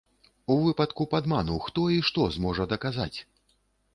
У выпадку падману, хто і што зможа даказаць?